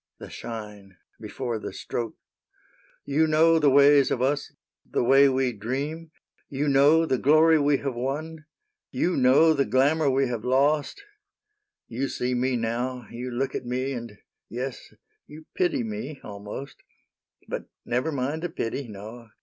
The shine, before the stroke :—" You know The ways of us, the way we dream :" You know the glory we have won, You know the glamour we have lost ; You see me now, you look at me, — And yes, you pity me, almost ;" But never mind the pity — no.